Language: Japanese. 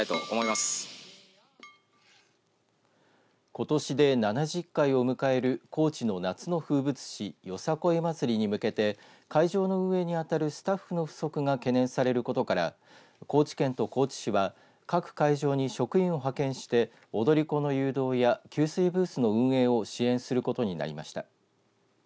ことしで７０回を迎える高知の夏の風物詩よさこい祭りに向けて会場の運営に当たるスタッフの不足が懸念されることから高知県と高知市は各会場に職員を派遣して踊り子の誘導や給水ブースの運営を支援することになりました。